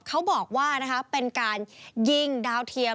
เขาบอกว่าเป็นการยิงดาวเทียม